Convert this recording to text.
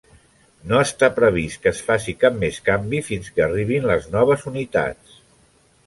No està previst que es faci cap més canvi fins que arribin les noves unitats.